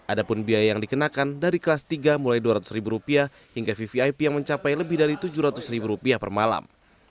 ada pun biaya yang dikenakan dari kelas tiga mulai rp dua ratus ribu rupiah hingga vvip yang mencapai lebih dari tujuh ratus ribu rupiah per malam